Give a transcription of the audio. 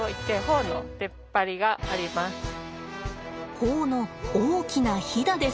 頬の大きなひだです。